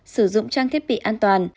một sử dụng trang thiết bị an toàn